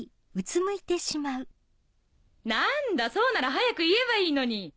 何だそうなら早く言えばいいのに。